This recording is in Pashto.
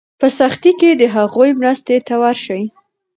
په سختۍ کې د هغوی مرستې ته ورشئ.